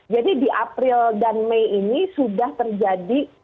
jadi di april dan may ini sudah terjadi